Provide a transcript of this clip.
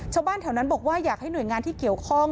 ชาวบ้านแถวนั้นบอกว่าอยากให้หน่วยงานที่เกี่ยวข้อง